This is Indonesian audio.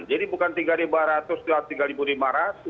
jadi bukan rp tiga lima ratus rp tiga lima ratus